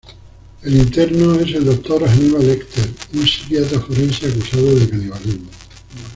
El interno es el Dr. Hannibal Lecter, un psiquiatra forense acusado de canibalismo.